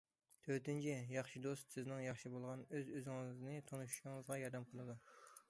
تۆتىنچى، ياخشى دوست سىزنىڭ ياخشى بولغان ئۆز- ئۆزىڭىزنى تونۇشىڭىزغا ياردەم قىلىدۇ.